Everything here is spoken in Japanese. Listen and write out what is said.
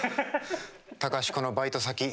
隆子のバイト先。